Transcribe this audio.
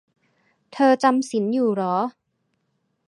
เธอจำศีลอยู่เหรอ?